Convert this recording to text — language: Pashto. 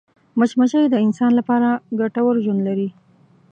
مچمچۍ د انسان لپاره ګټور ژوند لري